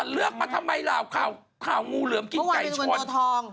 เลือกมาทำไมล่ะข่าวงูเหลือมกินไก่ชนทอง